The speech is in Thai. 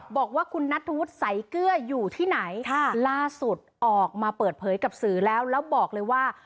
บอกว่าคุณนัทธวุฒิสายเกลืออยู่ที่ไหนล่าสุดออกมาเปิดเผยกับสื่อแล้วแล้วบอกเลยว่า